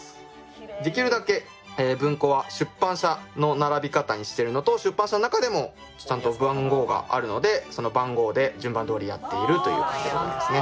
できるだけ文庫は出版社の並び方にしてるのと出版社の中でもちゃんと番号があるのでその番号で順番どおりやっているという感じでございますね。